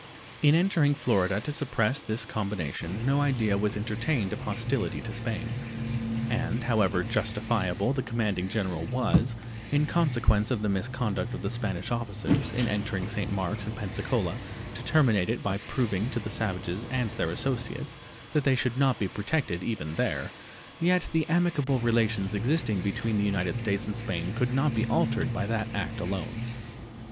In entering Florida to suppress this combination no idea was entertained of hostility to Spain, and however justifiable the commanding general was, in consequence of the misconduct of the Spanish officers, in entering St. Marks and Pensacola to terminate it by proving to the savages and their associates that they should not be protected even there, yet the amicable relations existing between the United States and Spain could not be altered by that act alone.